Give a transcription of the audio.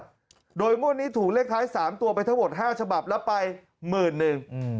ทุกงวดโดยเมืองนี้ถูกเลขล้าย๓ตัวไปเท่าหมด๕ฉบับรับไป๑๐๐๐๐เงิน